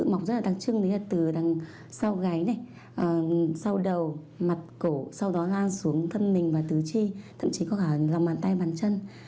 mặt cổ sau đó lan xuống thân mình và tứ chi thậm chí có cả lòng bàn tay và bàn chân